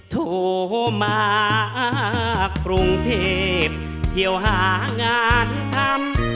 โทรมากรุงเทพเที่ยวหางานทำ